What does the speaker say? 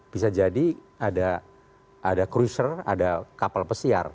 bisa jadi ada cruiser ada kapal pesiar